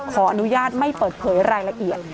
ขออนุญาตไม่เปิดเผยรายละเอียด